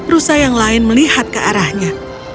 rusa yang lain melihat ke arahnya